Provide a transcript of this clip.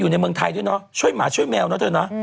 ในเมืองไทยด้วยเนาะช่วยหมาช่วยแมวเนอะเธอเนาะ